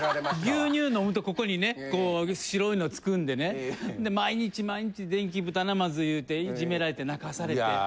牛乳飲むとここにね白いの付くんでね毎日毎日電気ブタナマズ言うていじめられて泣かされて。